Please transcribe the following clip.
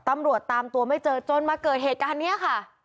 ตำรวจตามตัวไม่เจอจนมาเกิดเหตุการณ์นี้ค่ะ